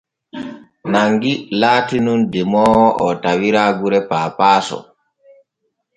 Nangi laati nun demoowo o tawira gure Paapaaso.